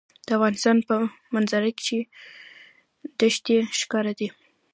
د افغانستان په منظره کې دښتې ښکاره دي.